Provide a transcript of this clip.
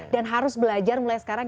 dan harus belajar mulai sekarang